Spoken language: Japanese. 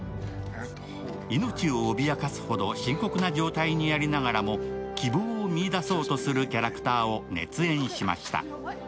命を脅かすほど深刻な状態にありながらも、希望を見いだそうとするキャラクターを熱演しました。